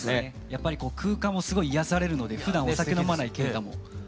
やっぱり空間もすごい癒やされるのでふだんお酒飲まない敬多も。